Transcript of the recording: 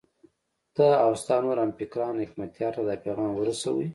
ته او ستا نور همفکران حکمتیار ته دا پیغام ورسوئ.